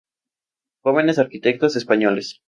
Jóvenes arquitectos españoles".